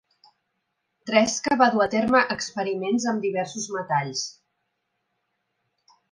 Tresca va dur a terme experiments amb diversos metalls.